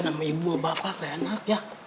nama ibu bapak enak